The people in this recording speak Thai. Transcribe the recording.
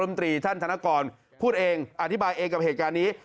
ตรีท่านธนกรพูดเองอธิบายเองกับเหตุการณ์นี้